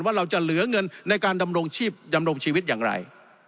ว่าเราจะเหลือเงินในการดำรงชีวิตอย่างไร